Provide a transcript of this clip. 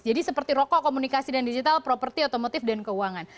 jadi seperti rokok komunikasi dan digital properti otomotif dan keuangan